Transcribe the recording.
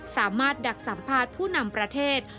สามารถดักสัมภาษณ์ผู้นำประเทศ